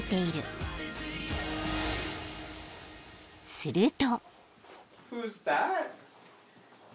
［すると］